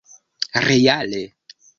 reale